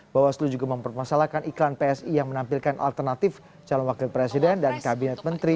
bawaslu juga mempermasalahkan iklan psi yang menampilkan alternatif calon wakil presiden dan kabinet menteri